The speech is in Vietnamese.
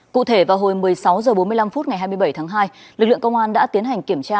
cụ thể vào hồi một mươi sáu h bốn mươi năm ngày hai mươi bảy tháng hai lực lượng công an đã tiến hành kiểm tra